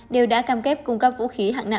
đều đã cam kết cung cấp vũ khí hạng nặng